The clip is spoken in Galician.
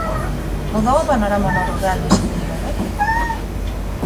Mudou o panorama no rural nese período?